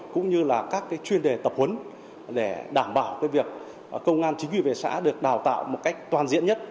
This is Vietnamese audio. cũng như là các chuyên đề tập huấn để đảm bảo việc công an chính quy về xã được đào tạo một cách toàn diện nhất